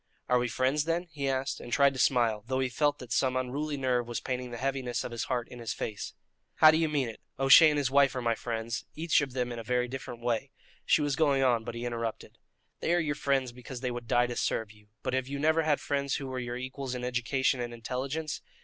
"Are we friends, then?" he asked, and tried to smile, though he felt that some unruly nerve was painting the heaviness of his heart in his face. "How do you mean it? O'Shea and his wife are my friends, each of them in a very different way " She was going on, but he interrupted: "They are your friends because they would die to serve you; but have you never had friends who were your equals in education and intelligence?"